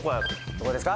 どこですか？